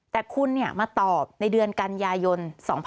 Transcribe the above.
แต่คุณเนี่ยมาตอบในเดือนกัญญายน๒๕๕๙